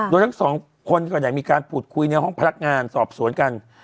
โดยทั้งสองคนก็ได้มีการพูดคุยในห้องพนักงานสอบสวนกัน